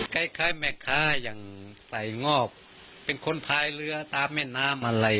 คล้ายแม่ค้าอย่างใส่งอกเป็นคนพายเรือตามแม่น้ำอะไร